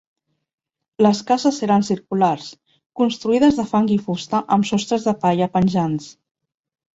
Les cases eren circulars, construïdes de fang i fusta amb sostres de palla penjants.